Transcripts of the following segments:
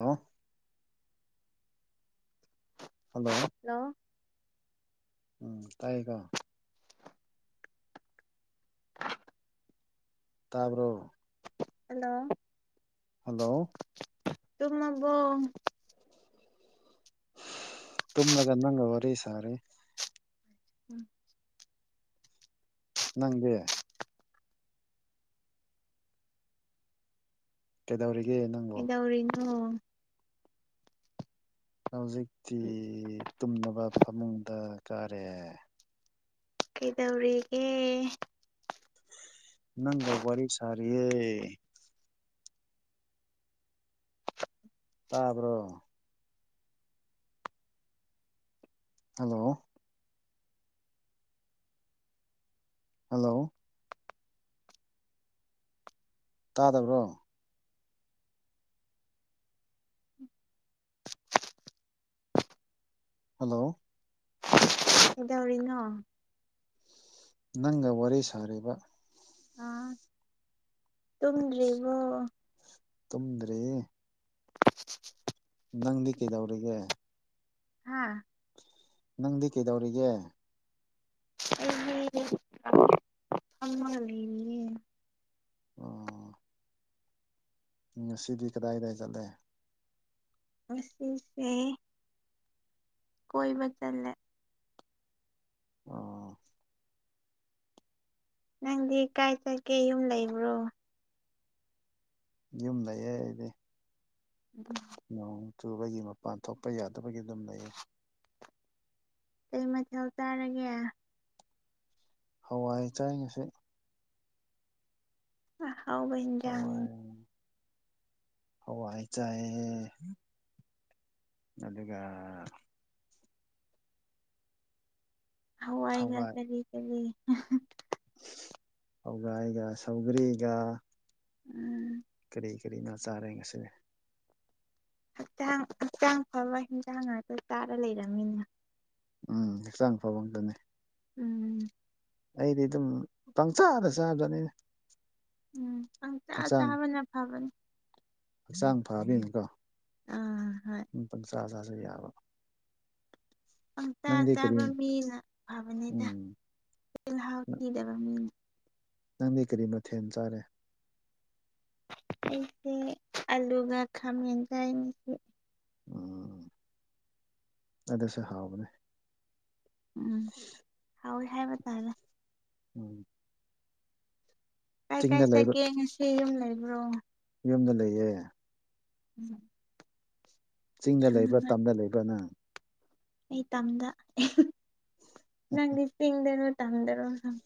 ꯍꯥ ꯍꯜꯂꯣ ꯎꯝ ꯇꯥꯏꯌꯦꯀꯣ ꯇꯥꯕ꯭ꯔꯣ ꯍꯜꯂꯣ ꯍꯜꯂꯣ ꯇꯅꯕꯣ ꯇꯨꯃꯅꯒ ꯅꯪ ꯑꯣꯏꯔꯤ ꯁꯔꯦ ꯎꯝ ꯅꯪꯗꯦ ꯀꯦꯗꯧꯒ ꯅꯪ ꯀꯩꯗꯧꯔꯤꯅꯣ ꯍꯧꯖꯤꯛꯇꯤ ꯇꯨꯝꯅꯕ ꯐꯃꯨꯡꯗ ꯀꯥꯔꯦ ꯀꯩꯗꯧꯔꯤꯒꯦ ꯅꯪꯒ ꯋꯥꯔꯤꯔꯤ ꯁꯥꯔꯤ ꯇꯥꯕ꯭ꯔꯣ ꯍꯜꯂꯣ ꯍꯜꯂꯣ ꯇꯥꯗꯕ꯭ꯔꯣ ꯍꯜꯂꯣ ꯗꯧꯔꯤꯅꯣ ꯅꯪꯒ ꯋꯥꯔꯤ ꯁꯥꯔꯤꯕ ꯇꯗ꯭ꯔꯤꯕꯨ ꯇꯨꯝꯗ꯭ꯔꯔꯤ [unintelligible] ꯅꯪꯗꯤ ꯀꯩꯗꯧꯔꯤꯒꯦ ꯍꯥꯥ ꯅꯪꯗꯤ ꯀꯩꯗꯧꯔꯤꯒꯦ ꯑꯩꯃ ꯂꯩ ꯑꯣ ꯎꯝ ꯁꯤꯗꯤ ꯀꯗꯥꯏ ꯀꯗꯥꯏ ꯆꯠꯂꯦ ꯑꯁꯁꯦ ꯀꯣꯏꯕ ꯆꯜꯂꯦ ꯑꯣ ꯅꯪꯗꯤ ꯀꯥꯏ ꯆꯠꯒꯦ ꯌꯨꯝ ꯂꯩꯕ꯭ꯔꯣ ꯌꯨꯝ ꯂꯩꯌꯦ ꯑꯩꯗꯤ [unintelligible] ꯅꯣꯡ ꯆꯨꯕꯒꯤ ꯃꯄꯥꯟ ꯊꯣꯛꯄ ꯌꯥꯗꯕꯒꯤ ꯑꯗꯨꯝ ꯂꯩꯌꯦ ꯀꯩ ꯃꯊꯦꯜ ꯆꯥꯔꯒꯦ ꯍꯋꯥꯏ ꯆꯥꯏ ꯉꯁꯤ ꯑꯍꯧꯕ ꯏꯟꯖꯪ ꯍ ꯋꯥꯏ ꯆꯏꯌꯦ ꯑꯗꯨꯒ ꯍꯋꯥꯏꯒ ꯀꯔꯤ ꯀꯔꯤ ꯍꯧꯒ ꯑꯩꯒ ꯁꯧꯒꯔꯤꯒ ꯎꯝ ꯀꯔꯤ ꯀꯔꯤ ꯏꯟꯖꯪ ꯆꯥꯔꯦ ꯉꯁꯤꯘꯤ ꯍꯛꯆꯥꯡ ꯍꯛꯆꯥꯡ ꯐꯕ ꯍꯟꯖꯥꯡ ꯉꯥꯛꯇ ꯆꯥꯔ ꯂꯩꯔꯝꯃꯤꯅ [unintelligible] ꯎꯝ ꯍꯛꯆꯥꯡ ꯐꯕ ꯉꯛꯇꯅꯤ ꯎꯝ ꯑꯩꯗꯤ ꯑꯗꯨꯝ ꯄꯪꯆꯥꯥꯗ ꯆꯥꯕꯗꯅꯤꯅꯦ ꯎꯝꯪ ꯆꯥ ꯆꯥꯕꯅ ꯐꯕꯅꯤ ꯍꯛꯆꯥꯡ ꯐꯕꯗꯣꯏꯅꯦꯀꯣ ꯑꯥ ꯍꯣꯏ ꯄꯪꯆꯥꯥ ꯆꯥꯁꯨ ꯌꯥꯕ ꯄꯪ ꯆꯥ ꯅꯪꯗꯤ ꯀꯔꯤ ꯆꯥꯕ ꯃꯤꯅ ꯐꯕꯅꯤꯗ ꯎꯝ ꯆꯤꯜꯍꯥꯎ ꯊꯤꯗꯕ ꯃꯤꯅ ꯅꯪꯗꯤ ꯀꯔꯤ ꯃꯊꯦꯜ ꯆꯥꯔꯦ ꯑꯩꯁꯦ ꯑꯂꯨꯒ ꯈꯥꯃꯦꯟꯒ ꯆꯥꯏꯅꯦ ꯎꯝ ꯑꯗꯨꯁꯨ ꯍꯥꯎꯕꯅꯦ ꯍꯧꯋꯦ ꯍꯥꯏꯕꯥ ꯇꯔꯦ ꯎꯝ ꯀꯥꯏ ꯀꯥꯏ ꯆꯤꯡꯗ ꯂꯩꯕ ꯆꯒꯦ ꯉꯁꯤ ꯌꯨꯝ ꯂꯩꯕ꯭ꯔꯣ ꯌꯨꯝꯗ ꯂꯩꯌꯦ ꯎꯝ ꯆꯤꯡꯗ ꯂꯩꯕ꯭ꯔꯥ ꯇꯝꯗ ꯂꯩꯕ꯭ꯔꯥꯅꯪ ꯑꯩ ꯇꯝꯗ ꯅꯪꯗꯤ ꯇꯤꯡꯗꯅꯣ ꯇꯝꯗꯅꯣ ꯁꯝ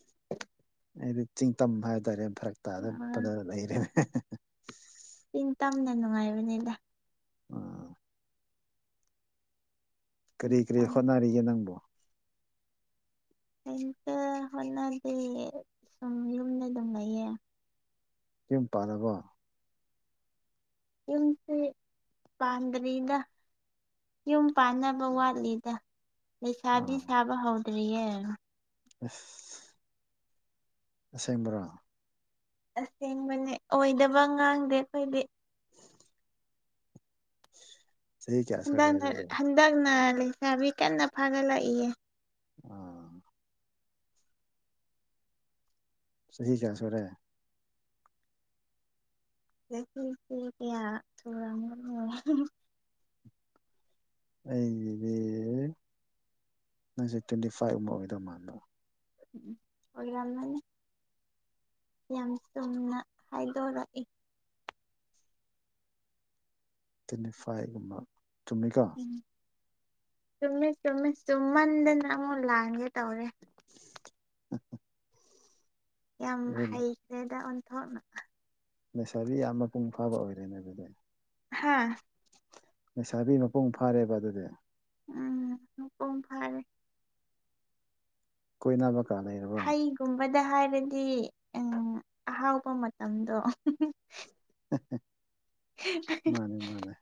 ꯑꯩꯗꯤ ꯆꯤꯡꯇꯝ ꯍꯥꯏꯇꯥꯔꯦ ꯐꯔꯛ ꯑꯥ ꯇꯥꯗꯄꯗ ꯂꯩꯔꯦꯅꯦ ꯏꯤꯟ ꯇꯝꯅ ꯅꯨꯡꯉꯥꯏꯕꯅꯤꯗ ꯎꯝ ꯆꯤꯡ ꯀꯔꯤ ꯀꯔꯤ ꯇꯝ ꯍꯣꯠꯅꯔꯤꯒꯦ ꯅꯪꯕꯨꯣ ꯑꯩꯝꯇ ꯍꯣꯠꯅꯗꯤꯦ ꯁꯨꯝ ꯌꯨꯝꯗ ꯑꯗꯨꯝ ꯂꯩꯌꯦ ꯇꯨꯝ ꯄꯥꯜꯂꯒꯣ ꯄꯨꯁ ꯄꯥꯟꯗꯔꯤꯗ ꯌꯨꯝ ꯄꯥꯟꯅꯕ ꯋꯥꯠꯂꯤꯗ ꯂꯩꯁꯥꯕꯤ ꯑꯥ ꯁꯥꯕ ꯍꯧꯗ꯭ꯔꯤꯌꯦ ꯑ ꯑꯁꯦꯡꯕꯣꯔꯥ ꯑꯁꯦꯡꯕꯅꯦ ꯑꯣꯏꯗꯕ ꯉꯥꯡꯗꯦ ꯑꯩꯈꯣꯏꯗꯤ ꯆꯍꯤ ꯀꯌꯥ ꯁꯨꯔꯦ ꯍꯟꯗꯛ ꯑꯗꯨꯗꯤ ꯍꯟꯗꯛꯅ ꯂꯩꯁꯥꯕꯤ ꯀꯟꯅ ꯐꯥꯒꯠꯂꯛꯏꯌꯦ ꯎꯝ ꯁ ꯆꯍꯤꯤ ꯆꯥ ꯁꯔꯦ ꯀꯌꯥ ꯊ ꯑꯩꯒꯤꯗꯤ ꯅꯪꯁꯦ ꯇ꯭ꯋꯦꯟꯇꯤ ꯐꯥꯏꯚ ꯑꯃꯨꯝꯕ ꯑꯣꯏꯗꯧ ꯃꯜꯥꯟꯕꯣ ꯎꯝ ꯑꯣꯏ ꯀꯅꯤ ꯌꯥꯝ ꯆꯨꯝꯅ ꯍꯥꯏꯗꯣꯔꯛꯏꯦ ꯇꯅꯤꯐꯥꯏꯒꯨꯝꯕ ꯇꯃꯤꯀ ꯆꯨꯝꯃꯤ ꯆꯨꯝꯃꯤ ꯆꯨꯝꯃꯟꯗꯅ ꯑꯃꯨꯛ ꯂꯥꯟꯒꯦ ꯇꯧꯔꯦ ꯑ [unintelligible] ꯌꯥꯝ ꯍꯩꯈ꯭ꯔꯦꯗ ꯑꯣꯟꯊꯣꯛꯅ ꯂꯩꯁꯥꯕꯤ ꯌꯥꯝ ꯃꯄꯨꯡ ꯐꯥꯕ ꯑꯣꯏꯔꯦꯅꯦ ꯑꯗꯨꯗꯤ ꯍꯥꯥ ꯂꯩꯁꯥꯕꯤ ꯃꯄꯨꯡ ꯐꯥꯔꯦꯕ ꯑꯗꯨꯗꯤ ꯎꯝ ꯃꯄꯨꯡ ꯐꯔꯦ ꯀꯣꯏꯅꯕꯀ ꯥ ꯂꯩ ꯍꯩꯒꯨꯝꯕꯗ ꯍꯥꯏꯔꯗꯤ ꯑꯍꯥꯎꯕ ꯃꯇꯝꯗꯣ ꯃꯥꯅꯦ ꯃꯥꯅꯦ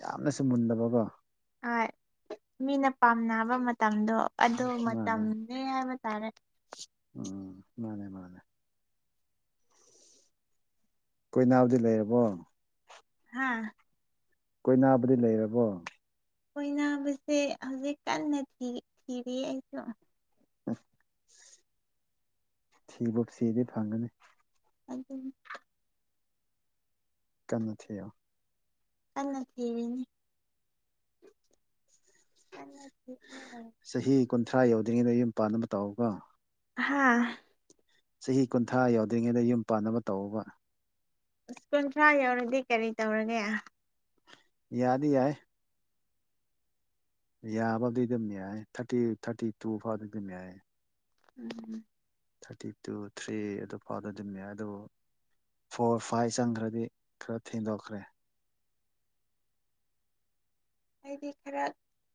ꯌꯥꯝꯅꯁꯨ ꯃꯨꯟꯗꯕꯀꯣ ꯍꯣꯏ ꯃꯤꯅ ꯄꯥꯝꯅꯕ ꯃꯇꯝꯗꯣ ꯑꯗꯨ ꯃꯥꯅꯦ ꯃꯇꯝꯅꯦ ꯍꯥꯏꯕ ꯇꯥꯔꯦ ꯎꯝ ꯃꯥꯅꯦ ꯃꯥꯅꯦ ꯀꯣꯏꯅꯥꯕꯗꯤ ꯂꯩꯔꯕꯣ ꯍꯥꯥ ꯀꯣꯏꯅꯥꯕꯗꯤ ꯂꯩꯔꯕꯣ ꯀꯣꯏꯅꯕꯁꯦ ꯍꯧꯖꯤꯛ ꯀꯟꯅ ꯊꯤ ꯊꯤꯔꯤꯌꯦ ꯑꯩꯁꯨ [unintelligible] ꯊꯤꯕꯨ ꯊꯤꯔꯗꯤ ꯐꯪꯒꯅꯤ ꯑꯗꯨꯝ ꯀꯟꯅ ꯊꯤꯌꯣ ꯀꯟꯅ ꯊꯤꯔꯤꯅꯤ ꯀꯟꯅ ꯊꯤꯔꯒ ꯆꯍꯤ ꯀꯨꯟꯊ꯭ꯔꯥ ꯌꯧꯗ꯭ꯔꯤꯉꯩꯗ ꯌꯨꯝ ꯄꯥꯟꯅꯕ ꯇꯧꯑꯣꯀꯣ ꯍꯥꯥ ꯆꯍꯤ ꯀꯨꯟꯊ꯭ꯔꯥ ꯌꯧꯗ꯭ꯔꯤꯉꯩꯗ ꯌꯨꯝ ꯄꯥꯟꯅꯕ ꯇꯧꯑꯣꯕ ꯀꯨꯟꯊ꯭ꯔꯥ ꯌꯧꯔꯗꯤ ꯀꯔꯤ ꯇꯧꯔꯒꯦ ꯌꯥꯗꯤ ꯌꯥꯏ ꯌꯥꯕꯕꯨꯗꯤ ꯑꯗꯨꯝ ꯌꯥꯏ ꯊꯥꯔꯇꯤ ꯊꯥꯔꯇꯤ ꯇꯨ ꯐꯥꯎꯗꯤ ꯑꯗꯨꯝ ꯌꯥꯏ ꯎꯝ ꯊꯥꯔꯇꯤ ꯇꯨ ꯊ꯭ꯔꯤ ꯑꯗꯨ ꯐꯥꯎꯗ ꯑꯗꯨꯝ ꯌꯥꯏ ꯗꯨꯕꯨ ꯐꯣꯔ ꯐꯥꯏꯚ ꯆꯪꯈ꯭ꯔꯗꯤ ꯈꯔ ꯊꯦꯡꯗꯣꯛꯈ꯭ꯔꯦ ꯑꯩꯗꯤ ꯈꯔ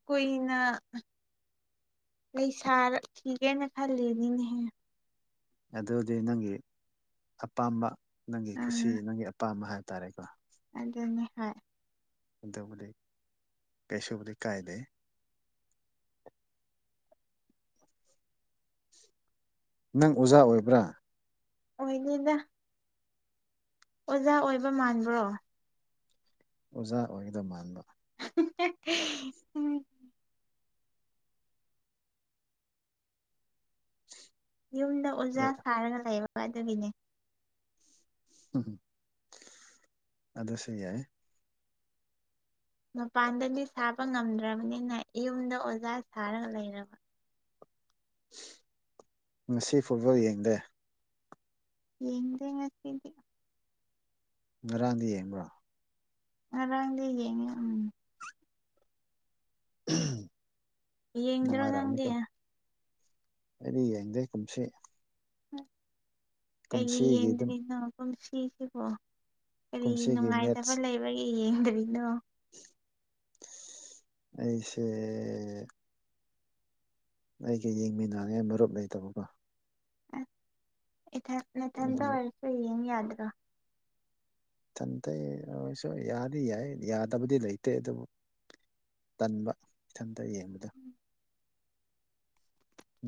ꯀꯨꯏꯅ ꯂꯩꯁꯥꯔꯛꯈꯤꯒꯦꯅ ꯈꯜꯂꯤꯅꯤꯅꯦꯍꯦ ꯑꯗꯨꯗꯤ ꯅꯪꯒꯤ ꯑꯄꯥꯝꯕ ꯅꯪꯒꯤ ꯈꯨꯁꯤ ꯑꯥ ꯅꯪꯒꯤ ꯑꯄꯥꯝꯕ ꯍꯥꯏꯇꯥꯔꯦꯀꯣ ꯑꯗꯨꯅꯦ ꯍꯣꯏ ꯑꯗꯨꯕꯨꯗꯤ ꯀꯩꯁꯨꯕꯨꯗꯤ ꯀꯥꯏꯗꯦ ꯅꯪ ꯑꯣꯖꯥ ꯑꯣꯏꯕ꯭ꯔꯥ ꯑꯣꯏꯗꯦꯗ ꯑꯣꯖꯥ ꯑꯣꯏꯕ ꯃꯥꯟꯕ꯭ꯔꯣ ꯑꯣꯖꯥ ꯑꯣꯏꯒꯗꯕ ꯃꯥꯟꯕ [unintelligible] ꯌꯨꯝꯗ ꯑꯣꯖꯥ ꯁꯥꯔꯒ ꯂꯩꯕ ꯑꯗꯨꯒꯤꯅꯦ ꯎꯝ ꯑꯗꯨꯁꯨ ꯌꯥꯏ ꯃꯄꯥꯟꯗꯗꯤ ꯁꯥꯕ ꯉꯝꯗ꯭ꯔꯕꯅꯤꯅ ꯌꯨꯝꯗ ꯑꯣꯖꯥ ꯁꯥꯔꯒ ꯂꯩꯔꯕ ꯉꯁꯤ ꯐꯨꯠꯕꯣꯜ ꯌꯦꯡꯗꯦ ꯌꯦꯡꯗꯦ ꯉꯁꯤꯗꯤ ꯉꯔꯥꯡꯗꯤ ꯌꯦꯡꯕ꯭ꯔꯣ ꯉꯔꯥꯡꯗꯤ ꯌꯦꯡꯉꯤ ꯎꯝ [unintelligible] ꯌꯦꯡꯗ꯭ꯔꯣ ꯅꯪꯗꯤ ꯅꯨꯡꯉꯥꯏꯔꯝꯅꯤꯀꯣ ꯑꯩꯗꯤ ꯌꯦꯡꯗꯦ ꯀꯨꯝꯁꯤ ꯀꯩꯒꯤ ꯀꯨꯝꯁꯤꯒꯤ ꯑꯗꯨꯝ ꯌꯦꯡꯗ꯭ꯔꯦꯅꯣ ꯀꯨꯝꯁꯤ ꯁꯤꯕꯣ ꯀꯔꯤ ꯀꯨꯝꯁꯤꯒꯤ ꯅꯨꯡꯉꯥꯏꯇꯕ ꯃꯦꯠꯁ ꯂꯩꯕꯒꯤ ꯌꯦꯡꯗꯔꯤꯅꯣ ꯑꯩꯁꯦ ꯑꯩꯒ ꯌꯦꯡꯃꯤꯟꯅꯉꯦ ꯃꯔꯨꯞ ꯂꯩꯇꯕꯀꯣ ꯑ ꯏꯊ ꯏꯊꯟꯗ ꯑꯗꯨꯒꯤ ꯑꯣꯏꯔꯁꯨ ꯌꯦꯡ ꯌꯥꯗ꯭ꯔꯥ ꯇꯟꯊꯩ ꯑꯣꯏꯁꯨ ꯌꯥꯗꯤ ꯌꯥꯏ ꯌꯥꯗꯕꯗꯤ ꯂꯩꯇꯦ ꯑꯗꯨꯕꯨ ꯇꯟꯕ ꯏꯊꯟꯇ ꯌꯦꯡꯕꯗ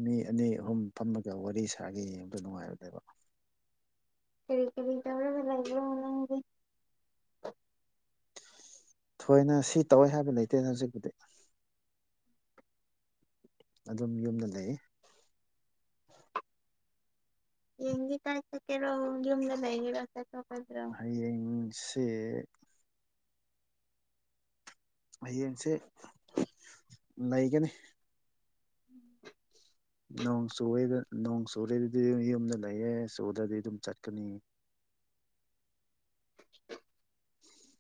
ꯃꯤ ꯑꯅꯤ ꯑꯍꯨꯝ ꯐꯝꯃꯒ ꯋꯥꯔꯤ ꯁꯥꯒꯦ ꯌꯦꯡꯕꯗꯣ ꯅꯨꯡꯉꯥꯏꯕꯗꯕ ꯀꯦ ꯀ ꯂꯩꯥꯏꯗꯤ ꯊꯣꯏꯅ ꯁꯤ ꯇꯧꯋꯦ ꯍꯥꯏꯕ ꯂꯩꯇꯦ ꯍꯧꯖꯤꯛꯄꯨꯗꯤ ꯑꯗꯨꯝ ꯌꯨꯝꯗ ꯂꯩ ꯌꯦꯡꯤ ꯇꯥꯏ ꯆ ꯀꯦꯔꯣꯣꯡ ꯌꯒ ꯌꯦ ꯔ ꯍꯌꯦꯡꯁꯦ ꯍꯌꯦꯡꯁꯦ ꯂꯩꯒꯅꯤ ꯅꯣꯡ ꯆꯨꯔꯦꯗ ꯅꯣꯡ ꯆꯨꯔꯦꯗꯗꯤ ꯌꯨꯝꯗ ꯂꯩꯌꯦꯦ ꯆꯨꯔꯗꯗꯤ ꯑꯗꯨꯝ ꯆꯠꯀꯅꯤ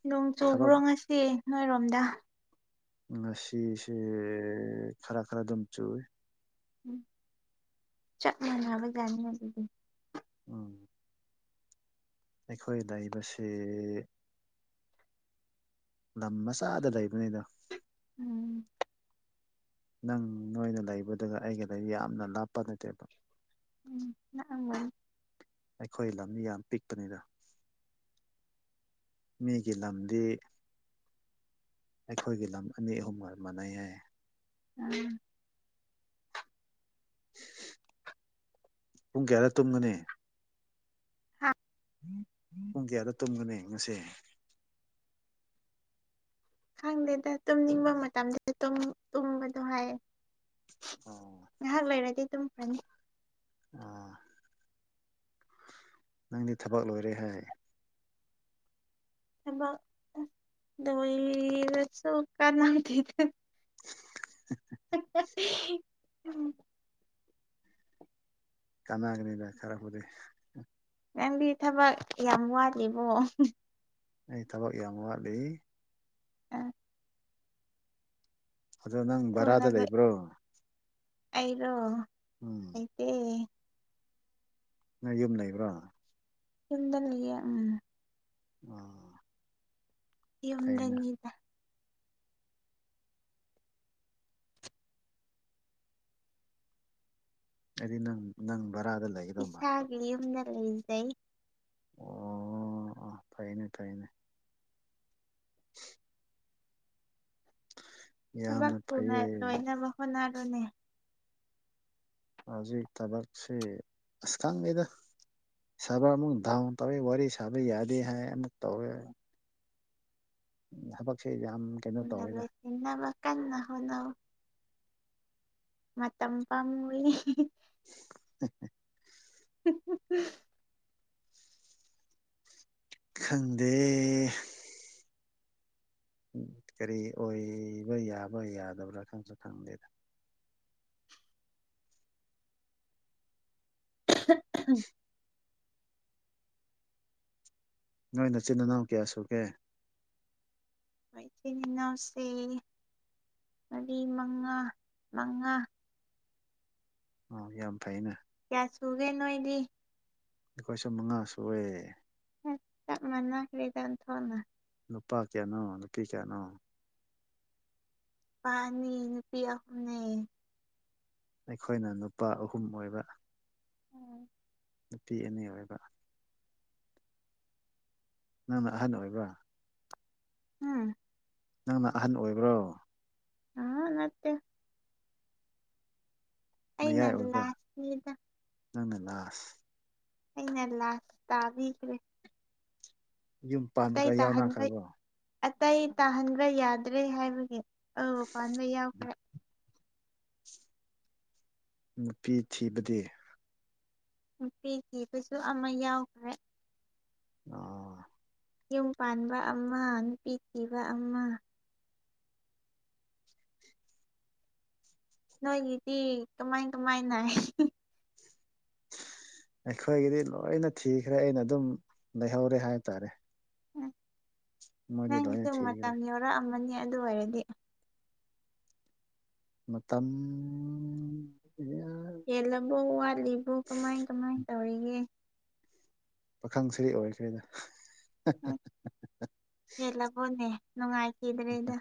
ꯅꯣꯡ ꯆꯨꯕ꯭ꯔꯣ ꯊꯕꯛ ꯉꯁꯤ ꯅꯣꯏꯔꯣꯝꯗ ꯉꯁꯤꯁꯦ ꯈꯔ ꯈꯔ ꯑꯗꯨꯝ ꯆꯨꯏ ꯎꯝ ꯆꯞ ꯃꯅꯕ ꯌꯥꯅꯤ ꯑꯗꯨꯗꯤ ꯎꯝ ꯑꯩꯈꯣꯏ ꯂꯩꯕꯁꯤ ꯂꯝ ꯃꯆꯥꯗ ꯂꯩꯕꯅꯤꯗ ꯎꯝ ꯅꯪ ꯅꯣꯏꯅ ꯂꯩꯕꯗꯨꯒ ꯑꯩꯒꯗ ꯌꯥꯝꯅ ꯂꯥꯞꯄ ꯅꯠꯇꯦꯕ ꯎꯝꯪ ꯑꯩꯈꯣꯏ ꯂꯝ ꯌꯥꯝ ꯄꯤꯛꯄꯅꯤꯗ ꯃꯤꯒꯤ ꯂꯝꯗꯤ ꯑꯩꯈꯣꯏꯒꯤ ꯂꯝ ꯑꯅꯤ ꯑꯍꯨꯝꯒ ꯃꯥꯟꯅꯩ ꯍꯥꯏꯏ ꯎꯝ ꯄꯨꯡ ꯀꯌꯥꯔ ꯇꯨꯝꯒꯅꯤ ꯍꯥ ꯄꯨꯡ ꯀꯌꯥꯗꯣ ꯇꯨꯝꯒꯅꯤ ꯉꯁꯦ ꯈꯪꯗꯦꯗ ꯇꯨꯝꯅꯤꯡꯕ ꯃꯇꯝꯗꯨꯁꯨ ꯇꯨꯝꯕꯗꯣ ꯍꯥꯏꯌꯦ ꯑꯣ ꯉꯥꯏꯍꯥꯛ ꯂꯩꯔꯗꯤ ꯑꯗꯨꯝ ꯐꯅꯤ ꯑꯥ ꯅꯪꯗꯤ ꯊꯕꯛ ꯂꯣꯏꯔꯦ ꯍꯥꯏ ꯕ ꯗꯩꯔꯁꯨꯧ ꯀꯥ ꯂ ꯊ [inaudible] [unintelligible] ꯀꯥꯟꯅꯒꯅꯤꯕ ꯈꯔꯛꯄꯗꯤꯩ ꯅꯪꯗꯤ ꯊꯕꯛ ꯌꯥꯝ ꯋꯥꯠꯂꯤꯦꯕꯣ ꯑꯩ ꯊꯕꯛ ꯌꯥꯝ ꯋꯥꯠꯂꯤ ꯑ ꯑꯗꯣ ꯅꯪ ꯕꯔꯥꯗ ꯂꯩꯕ꯭ꯔꯣ ꯑꯩꯗꯣ ꯎꯝ ꯑꯣ ꯅꯪ ꯌꯨꯝ ꯂꯩꯕ꯭ꯔꯣ ꯆꯨꯝꯗ ꯂꯩ ꯎꯝ ꯌ ꯌꯗꯟꯗ ꯍꯥꯏꯗꯤ ꯅꯪ ꯅꯪ ꯕꯔꯥꯗ ꯂꯩ ꯏꯁꯥꯒꯤ ꯌꯨꯝꯗ ꯂꯩꯖꯩ ꯑꯣ ꯇꯥꯏꯅꯦ ꯇꯥꯏꯅꯦ ꯍ ꯊꯕꯛ ꯌꯥꯝꯅ ꯊꯨꯅ ꯐꯩꯌꯦ ꯂꯣꯏꯅꯕ ꯍꯣꯠꯅꯔꯨꯅꯦ ꯍꯧꯖꯤꯛ ꯊꯕꯛꯁꯤ ꯑꯁ ꯈꯪꯉꯤꯗ ꯁꯥꯕ ꯑꯃꯨꯛ ꯗꯥꯎꯟ ꯇꯧꯋꯏ ꯋꯥꯔꯤ ꯁꯥꯕ ꯌꯥꯗꯦ ꯍꯥꯏ ꯑꯃꯨꯛ ꯇꯧꯋꯦ ꯊꯕꯛꯁ ꯌꯥꯝ ꯀꯩꯅꯣ ꯎ ꯇꯧꯋꯦꯗ ꯅꯟꯅꯕ ꯀ ꯍꯅ ꯃꯇꯝ ꯄꯝ ꯑ [inaudible] ꯈꯪꯗꯦ ꯎ ꯀꯔꯤ ꯑꯣꯏꯕ ꯌꯥꯕ ꯌꯥꯗꯕ꯭ꯔꯥ ꯈꯪꯁꯨ ꯈꯪꯗꯦꯗ [inaudible] ꯅꯣꯏ ꯅꯆꯤꯟꯜ ꯏꯅꯥꯎ ꯀꯌꯥ ꯁꯨꯒꯦ ꯑꯩꯈ ꯏꯆꯤꯟ ꯏꯅꯥꯎꯁ ꯃꯔꯤ ꯃꯉꯥ ꯃꯉꯥ ꯑ ꯌꯥꯝ ꯐꯩꯅꯦ ꯀꯌꯥ ꯁꯨꯒꯦ ꯅꯣꯏꯗꯤ ꯑꯩꯈꯣꯏ ꯁ ꯃꯉꯥ ꯁꯨꯔꯦ ꯍꯛꯇ ꯃꯅꯥ ꯀꯗ ꯊꯣꯅ ꯅꯨꯄꯥ ꯀꯌꯥꯅꯣ ꯅꯨꯄꯤ ꯀꯌꯥꯅꯣ ꯅꯨꯄꯥꯅꯤ ꯅꯨꯄꯤ ꯑꯍꯨꯝꯅꯦ ꯑꯩꯈꯣꯏꯅ ꯅꯨꯄꯥ ꯑꯍꯨꯝ ꯑꯣꯏꯕ ꯎꯝ ꯅꯨꯄꯤ ꯑꯅꯤ ꯑꯣꯏꯕ ꯅꯪꯅ ꯑꯍꯟ ꯑꯣꯏꯕ꯭ꯔꯥ ꯎꯝ ꯅꯪꯅ ꯑꯍꯟ ꯑꯣꯏꯕ꯭ꯔꯣ ꯑꯥ ꯃꯠꯇꯦ ꯑꯩꯅ ꯃꯌꯥꯏ ꯑꯣꯏꯕ꯭ꯔꯥ ꯂꯥꯁꯅꯤꯗ ꯅꯪꯅ ꯂꯥꯁ ꯑꯩꯅ ꯂꯥꯛ ꯇꯥꯕꯤꯈ꯭ꯔꯦ ꯌꯨꯝ ꯑꯇꯩ ꯄꯥꯟꯕꯒ ꯇꯥꯍꯟꯕ ꯌꯥꯎꯅꯈ꯭ꯔꯕꯣ ꯑꯇꯩ ꯇꯥꯍꯟꯕ ꯌꯥꯗ꯭ꯔꯦ ꯍꯥꯏꯕꯒꯤ ꯑ ꯄꯥꯟꯕꯌꯥꯈꯦ ꯅꯨꯄꯤ ꯊꯤꯕꯗꯤ ꯅꯨꯡꯇꯤ ꯀꯤꯕꯁꯨ ꯑꯃ ꯌꯥꯎꯈ꯭ꯔꯦ ꯑꯣ ꯌꯨꯝ ꯄꯥꯟꯕ ꯑꯃ ꯅꯨꯄꯤ ꯊꯤꯕ ꯑꯃ ꯅꯣꯏꯒꯤꯗꯤ ꯀꯃꯥꯏ ꯀꯃꯥꯏꯅ ꯍꯥꯏ ꯑꯩꯈꯣꯏꯒꯤꯗꯤ ꯂꯣꯏꯅ ꯊꯤꯈ꯭ꯔꯦ ꯑꯩꯅ ꯑꯗꯨꯝ ꯂꯩꯍꯧꯔꯦ ꯍꯥꯏ ꯇꯔꯦ ꯅꯪꯒꯤ ꯂꯣꯏꯅ ꯁꯨꯝ ꯊꯤꯈ꯭ꯔꯦ ꯃꯇꯝ ꯌꯧꯔꯛꯑꯃꯅꯤ ꯑꯗꯨ ꯑꯣꯏꯔꯗꯤ ꯃꯇꯝ ꯍꯦꯜꯂꯕꯣ ꯋꯥꯠꯂꯤꯕꯣ ꯀꯃꯥꯏ ꯀꯃꯥꯏ ꯇꯧꯔꯤꯒꯦ ꯄꯥꯈꯪꯁꯤꯔꯤ ꯑꯣꯏꯈ꯭ꯔꯦꯗ ꯍꯦꯜꯂꯕꯣꯅꯦ ꯅꯨꯡꯉꯥꯏꯈꯤꯗ꯭ꯔꯦꯗ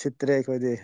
ꯁꯤꯠꯇ꯭ꯔꯦ ꯑꯩꯈꯣꯏꯗꯤ